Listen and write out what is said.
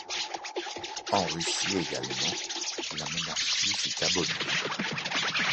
En Russie également la monarchie fut abolie.